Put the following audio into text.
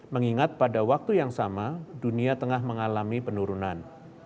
mengingat pada waktu yang sama dunia tengah mengalami penurunan